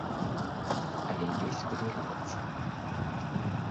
Але ёсць, куды рухацца.